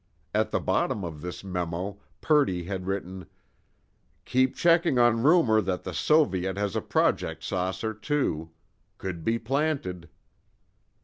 At the bottom of this memo Purdy had written: "Keep checking on rumor that the Soviet has a Project Saucer, too. Could be planted."